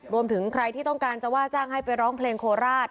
รวมถึงใครที่ต้องการจะว่าจ้างให้ไปร้องเพลงโคราช